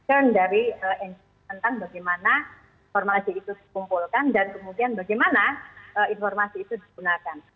term dari nc tentang bagaimana informasi itu dikumpulkan dan kemudian bagaimana informasi itu digunakan